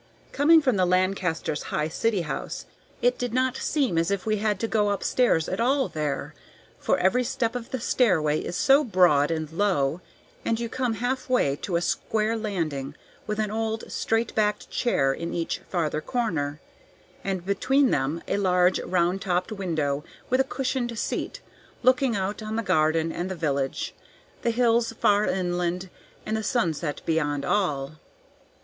Coming from the Lancasters' high city house, it did not seem as if we had to go up stairs at all there, for every step of the stairway is so broad and low, and you come half way to a square landing with an old straight backed chair in each farther corner; and between them a large, round topped window, with a cushioned seat, looking out on the garden and the village, the hills far inland, and the sunset beyond all.